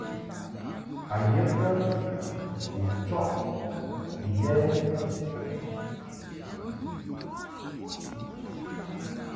A ye kə u chɔʼ Ilɛ?